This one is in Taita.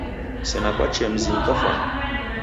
Sena kwachee mzinyi kafwani?